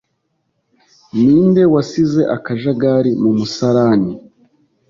Ninde wasize akajagari mu musarani?